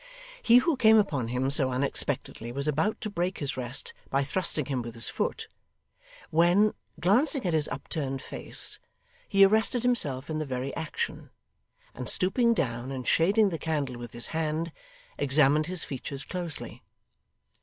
He who came upon him so unexpectedly was about to break his rest by thrusting him with his foot, when, glancing at his upturned face, he arrested himself in the very action, and stooping down and shading the candle with his hand, examined his features closely.